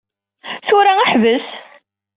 Tura, ḥbes!